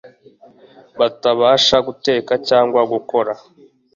batabasha guteka cyangwa gukora